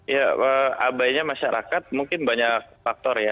ya abainya masyarakat mungkin banyak faktor ya